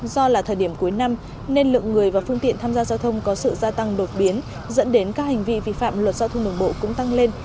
do là thời điểm cuối năm nên lượng người và phương tiện tham gia giao thông có sự gia tăng đột biến dẫn đến các hành vi vi phạm luật giao thông đường bộ cũng tăng lên